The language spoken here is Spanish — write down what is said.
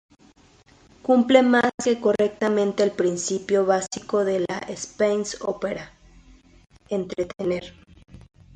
Cumple más que correctamente el principio básico de la Space Opera: entretener.